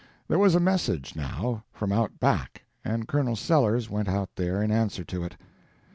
There was a message, now, from out back, and Colonel Sellers went out there in answer to it.